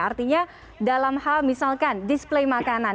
artinya dalam hal misalkan display makanan